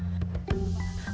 banyak hal yang menjadi pemicunya